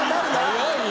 早いよ。